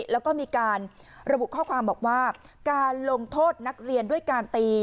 แล้วก็มีการระบุข้อความบอกว่าการลงโทษนักเรียนด้วยการตี